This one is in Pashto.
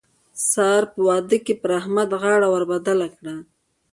سار په واده کې پر احمد غاړه ور بدله کړه.